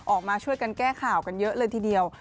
ออกมาช่วยกันแก้ข่าวกันเยอะเลยทีเดียว